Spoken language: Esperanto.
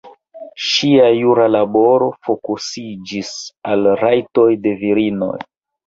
Ŝia jura laboro fokusiĝis al rajtoj de virinoj.